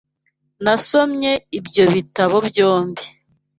Nasomye ibyo bitabo byombi.